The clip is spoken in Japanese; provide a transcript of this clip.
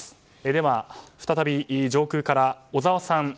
では、再び上空から小澤さん。